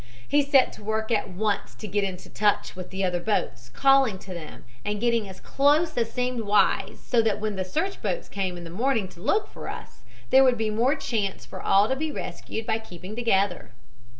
He set to work at once to get into touch with the other boats, calling to them and getting as close as seemed wise, so that when the search boats came in the morning to look for us, there would be more chance for all to be rescued by keeping together.